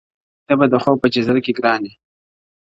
ته به د خوب په جزيره كي گراني ,